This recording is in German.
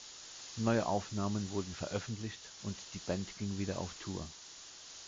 Neue Aufnahmen wurden veröffentlicht, und die Band ging wieder auf Tour.